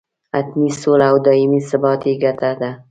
حتمي سوله او دایمي ثبات یې ګټه ده.